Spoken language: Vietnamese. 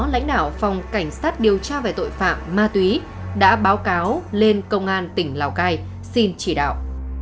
lãnh đạo phòng cảnh sát điều tra về tội phạm ma túy đã báo cáo lên công an tỉnh lào cai xin chỉ đạo